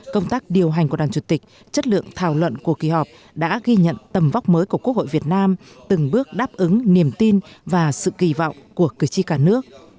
công tác điều hành của đoàn chủ tịch chất lượng thảo luận của kỳ họp đã ghi nhận tầm vóc mới của quốc hội việt nam từng bước đáp ứng niềm tin và sự kỳ vọng của cử tri cả nước